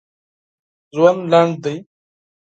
ژوند لنډ دي!